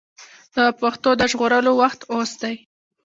د پښتو د ژغورلو وخت اوس دی.